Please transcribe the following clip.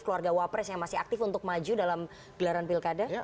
keluarga wapres yang masih aktif untuk maju dalam gelaran pilkada